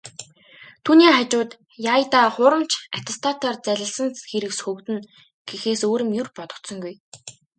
Түүний хажууд "яая даа, хуурамч аттестатаар залилсан хэрэг сөхөгдөнө" гэхээс өөр юм ер бодогдсонгүй.